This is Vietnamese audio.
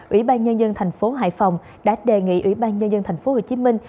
ủy ban nhân dân thành phố hải phòng đã đề nghị ủy ban nhân dân thành phố hồ chí minh